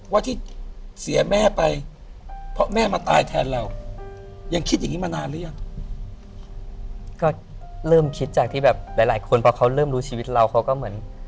ว่าที่เสียแม่ไปเพราะแม่มาตายแทนเรายังคิดอย่างนี้มานานหรือยังก็เริ่มคิดจากที่แบบหลายหลายคนพอเขาเริ่มรู้ชีวิตเราเขาก็เหมือน